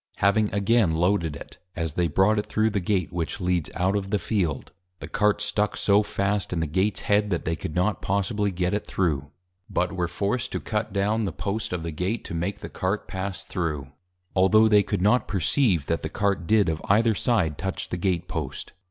Having again Loaded it, as they brought it thro' the Gate which Leads out of the Field, the Cart stuck so fast in the Gates Head, that they could not possibly get it thro', but were forced to cut down the Post of the Gate, to make the Cart pass thro', altho' they could not perceive that the Cart did of either side touch the Gate Post.